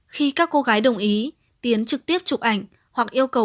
khi các cô gái đồng ý tiến trực tiếp chụp ảnh